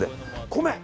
米！